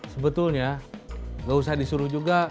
sebetulnya nggak usah disuruh juga